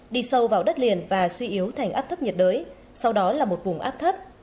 đi sâu vào đất liền và suy yếu thành áp thấp nhiệt đới sau đó là một vùng áp thấp